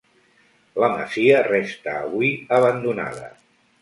La masia resta avui abandonada.